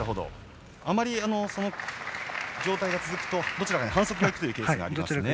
あまりその状態が続くとどちらかに反則がいくケースがありますね。